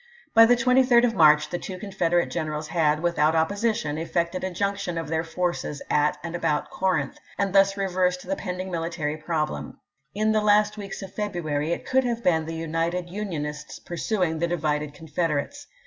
By the 23d of March the two Confederate generals had, without opposition, effected a junction of their forces at and about Corinth, and thus reversed the pending military problem. In the last weeks of February it could have been the united Unionists pursuing the di vided Confederates.